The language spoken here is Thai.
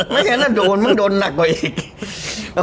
ไม่ให้แล้วมันก็มาโดนหนักกว่าอีกคุณ